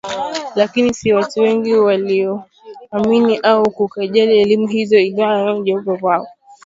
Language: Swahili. Lakini si watu wengi walioamini au kujali elimu hizo ilikuwa nje ya upeo wao